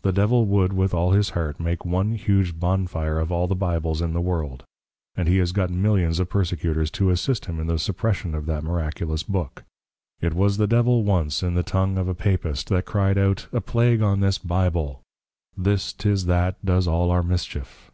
_ The Devil would with all his heart make one huge Bonefire of all the Bibles in the world; & he has got Millions of persecutors to assist him in the suppression of that miraculous book. It was the +devil+ once in the tongue of a Papist, that cry'd out, _A plague on this bible; this 'tis that does all our mischief.